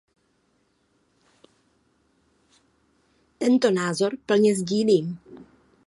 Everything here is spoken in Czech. Tento názor plně sdílím.